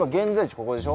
ここでしょ